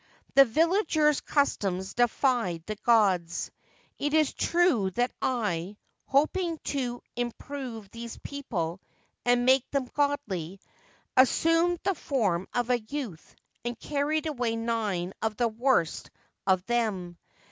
The villagers' customs defied the gods. It is true that I, hoping to im prove these people and make them godly, assumed the form of a youth, and carried away nine of the worst of them.